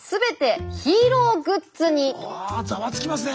うわざわつきますね。